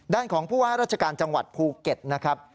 ของผู้ว่าราชการจังหวัดภูเก็ตนะครับ